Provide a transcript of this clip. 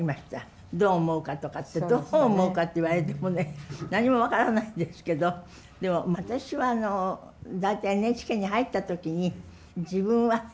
どう思うかとかってどう思うかって言われてもね何も分からないんですけどでも私は大体ＮＨＫに入った時に自分はですね